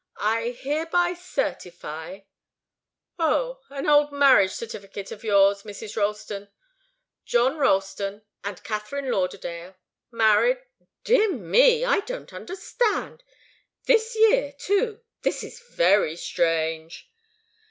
'I hereby certify,' oh, an old marriage certificate of yours, Mrs. Ralston. John Ralston and Katharine Lauderdale married dear me! I don't understand! This year, too! This is very strange."